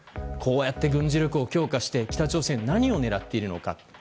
こうやって軍事力を強化して北朝鮮は何を狙っているのか。